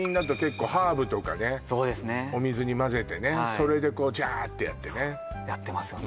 それでこうジャーってやってねやってますよね